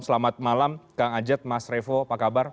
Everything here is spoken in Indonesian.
selamat malam kang ajat mas revo apa kabar